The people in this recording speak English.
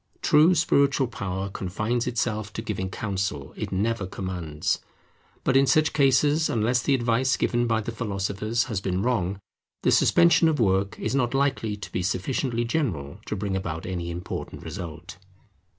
True spiritual power confines itself to giving counsel: it never commands. But in such cases, unless the advice given by the philosophers has been wrong, the suspension of work is not likely to be sufficiently general to bring about any important result.